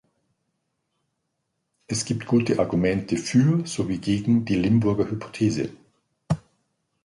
Es gibt gute Argumente für sowie gegen die Limburger Hypothese.